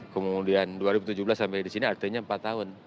kemudian dua ribu tujuh belas sampai di sini artinya empat tahun